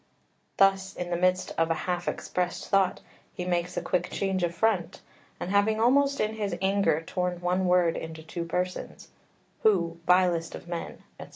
Thus in the midst of a half expressed thought he makes a quick change of front, and having almost in his anger torn one word into two persons, "who, vilest of men," etc.